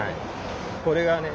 これがね